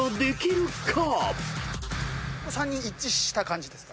３人一致した感じですか？